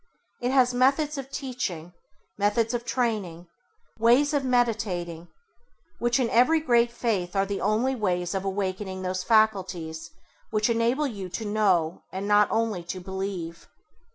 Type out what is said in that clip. It has methods of teaching, methods of training, ways of meditating, which in every great faith are the only ways of awakening those faculties which enable you to know and not only to believe.